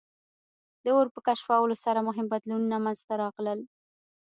د اور په کشفولو سره مهم بدلونونه منځ ته راغلل.